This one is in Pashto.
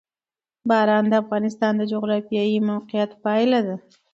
باران د افغانستان د جغرافیایي موقیعت پایله ده.